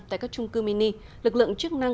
tại các trung cư mini lực lượng chức năng